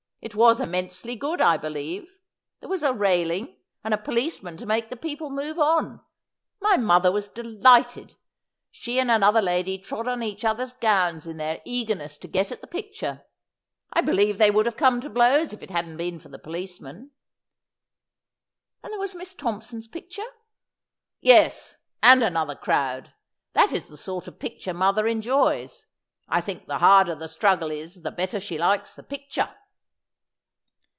It was immensely good, I believe. There was a railing, and a policeman to make the people move on. My mother was delighted. She and another lady trod on each other's gowns in their eagerness to get at the picture. I believe they would have come to blows, if it hadn't been for the police man.' ' And there was Miss Thompson's picture.' ' Yes ; and another crowd. That is the sort of picture mother enjoys. I think the harder the struggle is the better she likes the picture.'